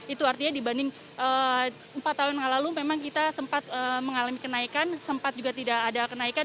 itu artinya dibanding empat tahun yang lalu memang kita sempat mengalami kenaikan sempat juga tidak ada kenaikan